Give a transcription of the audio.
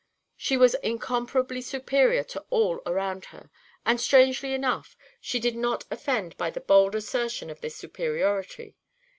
She was incomparably superior to all around her, and, strangely enough, she did not offend by the bold assertion of this superiority.